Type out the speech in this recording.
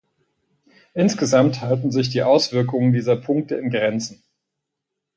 Insgesamt halten sich die Auswirkungen dieser Punkte in Grenzen.